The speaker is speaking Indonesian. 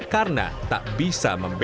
karena tak bisa membunuh